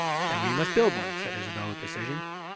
"Then we must build one," said Isobel with decision.